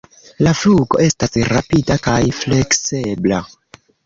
La flugo estas rapida kaj fleksebla.